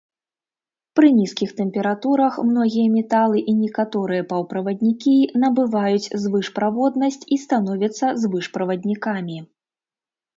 Пры нізкіх тэмпературах многія металы і некаторыя паўправаднікі набываюць звышправоднасць і становяцца звышправаднікамі.